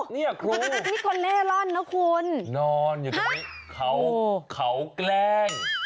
นี่คนเล่ร่อนนะคุณหลนนอนอยู่ตรงนี้ให้เขาแกล้ง